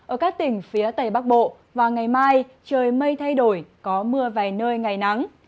ở các tỉnh phía tây bắc bộ và ngày mai trời mây thay đổi có mưa vài nơi ngày nắng